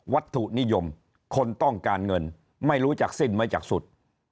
วัตถุนิยมคนต้องการเงินไม่รู้จักสิ้นไม่จากสุด